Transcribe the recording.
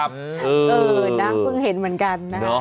น้ำเพิ่งเห็นเหมือนกันนะครับ